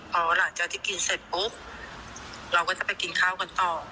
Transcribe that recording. พอหลังจากที่กินเสร็จปุ๊บเราก็จะไปกินข้าวกันต่อ